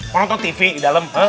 mau nonton tv di dalam